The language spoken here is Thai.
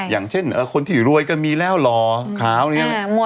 อย่างเช่นคนที่รวยก็มีแล้วหล่อขาวอะไรอย่างนี้